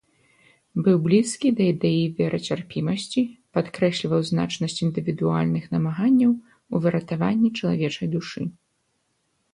Быў блізкі да ідэі верацярпімасці, падкрэсліваў значнасць індывідуальных намаганняў у выратаванні чалавечай душы.